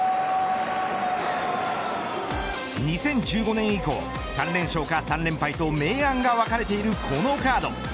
２０１５年以降３連勝か３連敗と明暗が分かれているこのカード。